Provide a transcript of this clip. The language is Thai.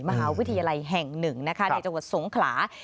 มหาวิทยาลัยแห่งหนึ่งนะคะในจังหวัดสงขลา